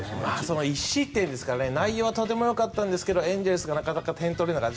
１失点ですから内容はとてもよかったですがエンゼルスがなかなか点を取れなかった。